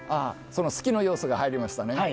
好きの要素が入りましたね。